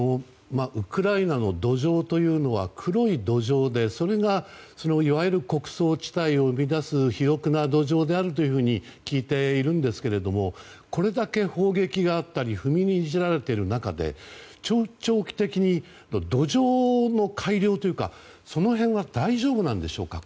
ウクライナの土壌というのは黒い土壌で、それがいわゆる穀倉地帯を生み出す肥沃な土壌であると聞いているんですけどこれだけ砲撃があったり踏みにじられている中で長期的に土壌の改良というかその辺は大丈夫なんでしょうか。